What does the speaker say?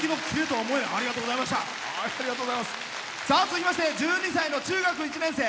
続きまして１２歳の中学１年生。